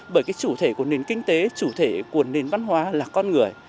bởi cái chủ thể của nền kinh tế chủ thể của nền văn hóa là con người